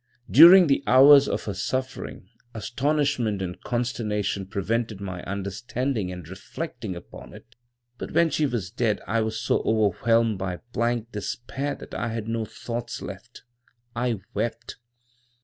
"During the hours of her suffering astonishment and consternation prevented my understanding and reflecting upon it, but when she was dead I was so overwhelmed by blank despair that I had no thoughts left. I wept.